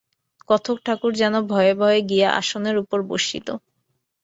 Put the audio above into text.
কথকঠাকুর যেন ভয়ে ভয়ে গিয়া আসনের উপর বসিল।